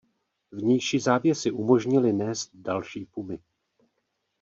Vnější závěsy umožnily nést další pumy.